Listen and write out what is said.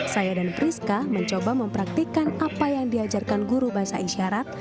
saya dan priska mencoba mempraktikan apa yang diajarkan guru bahasa isyarat